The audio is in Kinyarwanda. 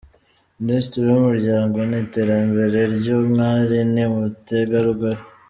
Minisitiri w’ umuryango n’ iterambere ry’umwari n’ umutegarugori.